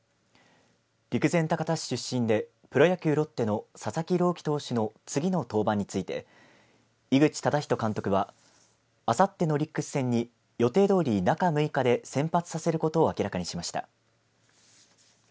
陸前高田市出身でプロ野球ロッテの佐々木朗希投手の次の登板について井口資仁監督はあさってのオリックス戦に予定どおり中６日で先発させることを明らかにしました。